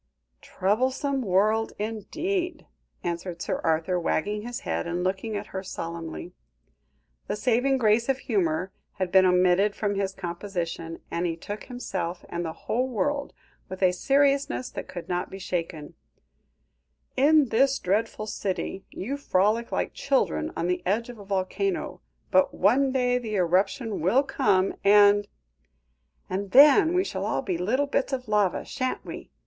"Troublesome world, indeed," answered Sir Arthur, wagging his head and looking at her solemnly. The saving grace of humour had been omitted from his composition, and he took himself, and the whole world, with a seriousness that could not be shaken; "in this dreadful city, you frolic like children on the edge of a volcano, but one day the eruption will come, and " "And then we shall all be little bits of lava, shan't we?"